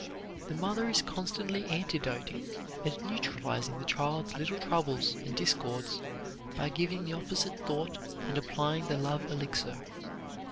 The mother is constantly antidoting and neutralizing the child's little troubles and discords by giving the opposite thought and applying the love elixir.